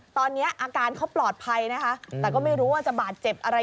ตอนนี้อาการเขาปลอดภัยนะคะแต่ก็ไม่รู้ว่าจะบาดเจ็บอะไร